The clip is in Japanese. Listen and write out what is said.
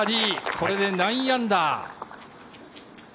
これで９アンダー。